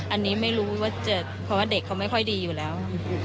อันนี้ไม่รู้ว่าเจ็บเพราะว่าเด็กเขาไม่ค่อยดีอยู่แล้ว